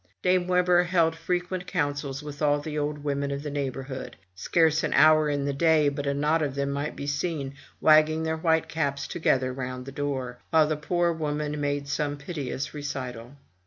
Dame Webber held frequent councils with all the old women of the neighborhood; scarce an hour in the day but a knot of them might be seen wagging their white caps together round her door, while the poor woman made some piteous recital.